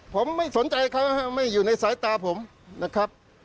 ผมไม่สนใจเขาไม่อยู่ในสายตาผมนะครับ